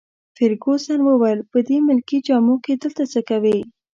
فرګوسن وویل: په دې ملکي جامو کي دلته څه کوي؟